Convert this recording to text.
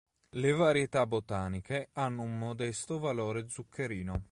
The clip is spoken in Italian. Le varietà botaniche hanno un modesto valore zuccherino.